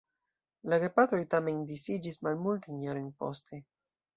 La gepatroj tamen disiĝis malmultajn jarojn poste.